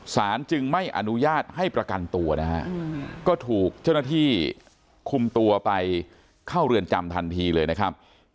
สารจึงไม่อนุญาตให้ประกันตัวนะฮะก็ถูกเจ้าหน้าที่คุมตัวไปเข้าเรือนจำทันทีเลยนะครับ